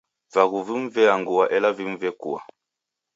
Vaghu vimu veangua, ela vimu vekua.